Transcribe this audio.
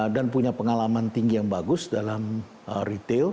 dan punya pengalaman tinggi yang bagus dalam retail